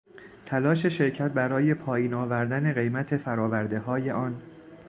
تلاش شرکت برای پایین آوردن قیمت فرآوردههای آن